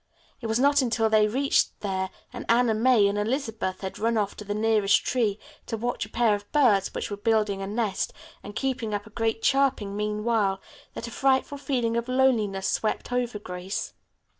It was not until they had reached there and Anna May and Elizabeth had run off to the nearest tree to watch a pair of birds which were building a nest and keeping up a great chirping meanwhile, that a frightful feeling of loneliness swept over Grace.